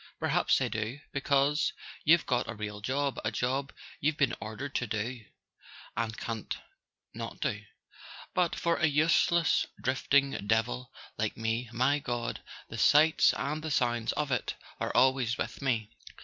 Perhaps they do, because you've got a real job, a job you've been ordered to do, [ 188 ] A SON AT THE FRONT and can't not do. But for a useless drifting devil like me—my God, the sights and the sounds of it are al¬ ways with me!